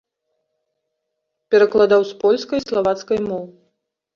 Перакладаў з польскай і славацкай моў.